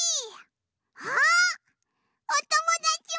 あっおともだちも。